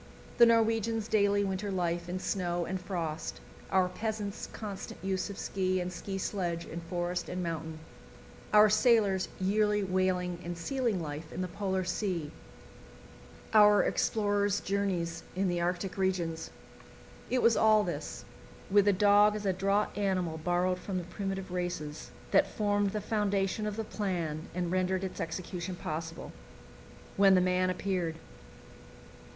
The Norwegians' daily winter life in snow and frost, our peasants' constant use of ski and ski sledge in forest and mountain, our sailors' yearly whaling and sealing life in the Polar Sea, our explorers' journeys in the Arctic regions it was all this, with the dog as a draught animal borrowed from the primitive races, that formed the foundation of the plan and rendered its execution possible when the man appeared.